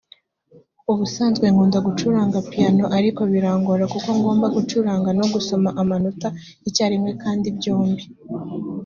ubusanzwe nkunda gucuranga piyano ariko birangora kuko ngomba gucuranga no gusoma amanota icyarimwe kandi byombi